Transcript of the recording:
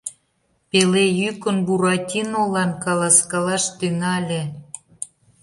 пеле йӱкын Буратинолан каласкалаш тӱҥале: